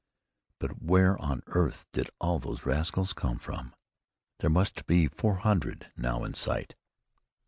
But where on earth did all these rascals come from? There must be four hundred now in sight."